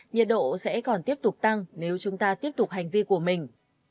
nhiệt độ sẽ còn tiếp tục tăng nếu chúng ta tiếp tục hành vi của mình